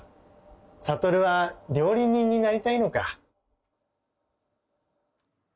悟は料理人になりたいのか。